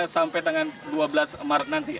sampai tanggal dua belas maret nanti